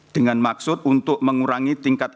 dengan maksud untuk mengurangi tingkat